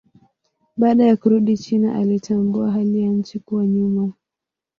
Baada ya kurudi China alitambua hali ya nchi kuwa nyuma.